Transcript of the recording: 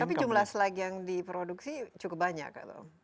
tapi jumlah slack yang diproduksi cukup banyak